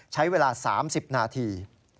ใช้เวลา๓๐นาที